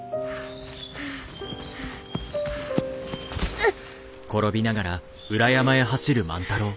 うっ。